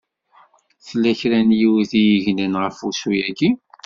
Tella kra n yiwet i yegnen ɣef wussu-yaki.